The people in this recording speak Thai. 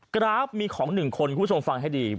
กราฟมีของหนึ่งคนคุณผู้ชมฟังให้ดี